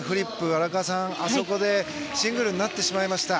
荒川さん、あそこでシングルになってしまいました。